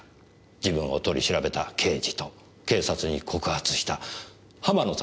自分を取り調べた刑事と警察に告発した浜野さんのせいに。